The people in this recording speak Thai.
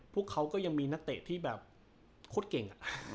พวกเขาก็ยังมีนักเตะที่แบบโคตรเก่ง